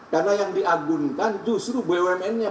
karena yang diagunkan justru bumn nya